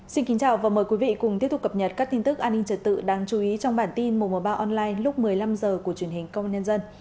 xin kính chào và mời quý vị cùng tiếp tục cập nhật các tin tức an ninh trật tự đáng chú ý trong bản tin mùa mùa ba online lúc một mươi năm h của truyền hình công an nhân dân